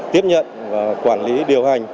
tiếp nhận và quản lý điều hành